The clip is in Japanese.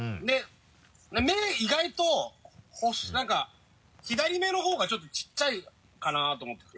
目意外となんか左目の方がちょっとちっちゃいかなと思ってて。